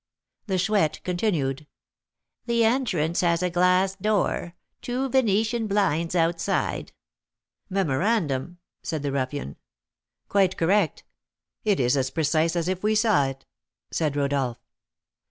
The Chouette continued: "The entrance has a glass door, two Venetian blinds outside " "Memorandum," said the ruffian. "Quite correct; it is as precise as if we saw it," said Rodolph.